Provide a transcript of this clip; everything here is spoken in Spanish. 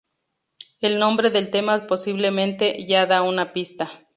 El nombre del tema posiblemente ya da una pista.